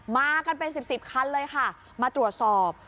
มากันเป็น๑๐คันเลยค่ะมาตรวจสอบ